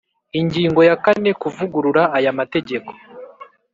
Ingingo ya kane Kuvugurura aya mategeko